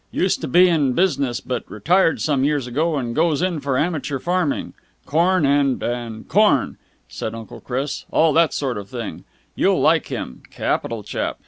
Used to be in business, but retired some years ago and goes in for amateur farming. Corn and and corn," said Uncle Chris. "All that sort of thing. You'll like him. Capital chap!